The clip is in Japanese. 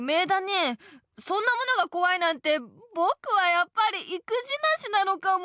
そんなものがこわいなんてぼくはやっぱりいくじなしなのかも。